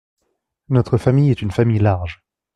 Notre famille est une famille large.